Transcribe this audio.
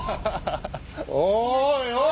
おいおい！